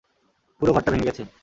পুরো ঘরটা ভেঙে গেছে!